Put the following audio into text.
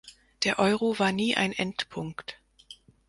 Der Euro war nie ein Endpunkt.